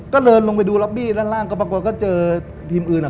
ก็เดินลงไปดูล็อบบี้ด้านล่างก็ปรากฏก็เจอทีมอื่นอ่ะ